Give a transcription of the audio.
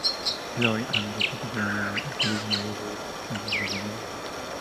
Lori Ann luchó con problemas de alcoholismo, abuso de sustancias y bulimia.